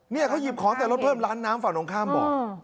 นี่เขาหยิบของใส่รถเพิ่มร้านน้ำฝั่งตรงข้ามบอก